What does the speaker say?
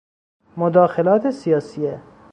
مداخلات سیاسیه